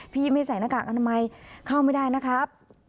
พี่ไม่ใส่หน้ากากอนามัยเข้าไม่ได้นะครับ